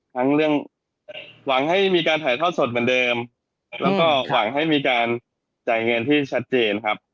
ทั้งเรื่องหวังให้มีการถ่ายทอดสดเหมือนเดิมแล้วก็หวังให้มีการจ่ายเงินที่ชัดเจนครับ